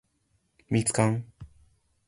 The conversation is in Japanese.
蜜柑